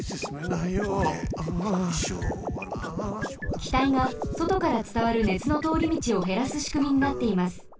きたいがそとからつたわる熱の通りみちをへらすしくみになっています。